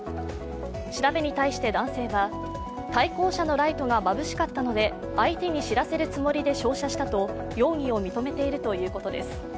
調べに対して男性は対向車のライトがまぶしかったので相手に知らせるつもりで照射したと容疑を認めているということです。